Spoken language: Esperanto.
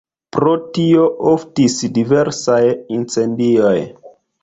Pro tio oftis diversaj incendioj.